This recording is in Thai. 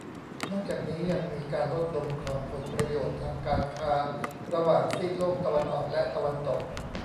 นอกจากนี้ยังมีการลดลงของผลประโยชน์ทางการค้าระหว่างซีกโลกตะวันออกและตะวันตก